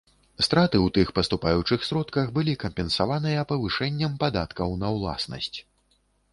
Страты ў тых паступаючых сродках былі кампенсаваныя павышэннем падаткаў на ўласнасць.